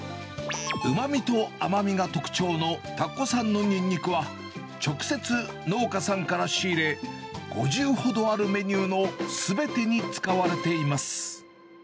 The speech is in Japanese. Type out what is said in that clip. うまみと甘みが特徴の田子産のニンニクは、直接農家さんから仕入れ、５０ほどあるメニューのすべてに使われています。